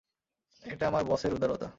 এটা আমার বসের উদারতা।